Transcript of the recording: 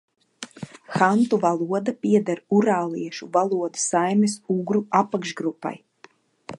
Hantu valoda pieder urāliešu valodu saimes ugru apakšgrupai.